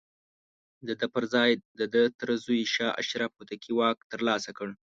د ده پر ځاى د ده تره زوی شاه اشرف هوتکي واک ترلاسه کړ.